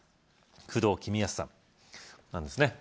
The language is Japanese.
工藤公康さんなんですね